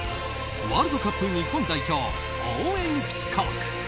ワールドカップ日本代表応援企画！